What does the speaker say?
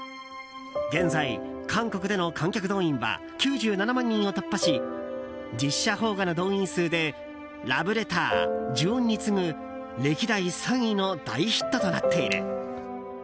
現在、韓国での観客動員は９７万人を突破し実写邦画の動員数で「ＬｏｖｅＬｅｔｔｅｒ」「呪怨」に次ぐ歴代３位の大ヒットとなっている。